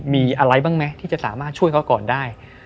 มีอะไรบ้างไหมที่จะสามารถช่วยเขาก่อนได้